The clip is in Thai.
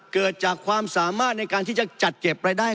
เกิดจากความสามารถในการที่จะจัดเก็บรายได้